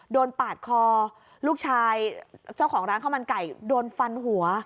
ปาดคอลูกชายเจ้าของร้านข้าวมันไก่โดนฟันหัว